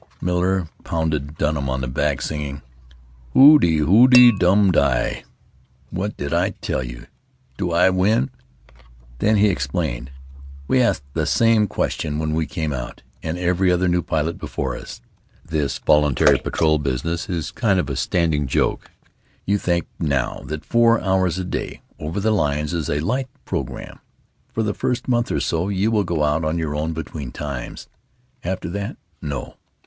Miller pounded Dunham on the back, singing, "Hi doo dedoo dum di. What did I tell you! Do I win?" Then he explained. "We asked the same question when we came out, and every other new pilot before us. This voluntary patrol business is a kind of standing joke. You think, now, that four hours a day over the lines is a light programme. For the first month or so you will go out on your own between times. After that, no.